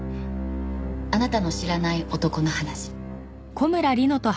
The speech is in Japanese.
あなたの知らない男の話。